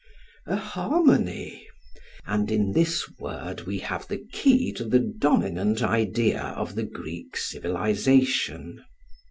A harmony! and in this word we have the key to the dominant idea of the Greek civilisation.